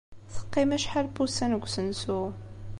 Teqqim acḥal n wussan deg usensu.